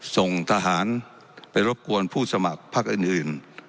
ส่งทหารไปรบกวนผู้สมัครพักอื่น